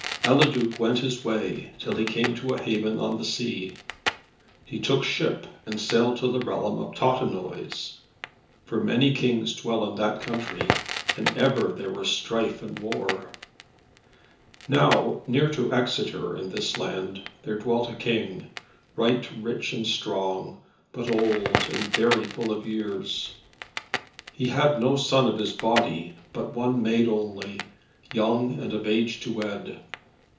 Eliduc went his way, till he came to a haven on the sea. He took ship, and sailed to the realm of Totenois, for many kings dwell in that country, and ever there were strife and war. Now, near to Exeter, in this land, there dwelt a King, right rich and strong, but old and very full of years. He had no son of his body, but one maid only, young, and of an age to wed.